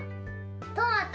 トマト！